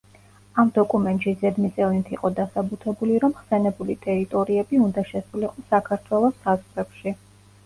ამ დოკუმენტში ზედმიწევნით იყო დასაბუთებული, რომ ხსენებული ტერიტორიები უნდა შესულიყო საქართველოს საზღვრებში.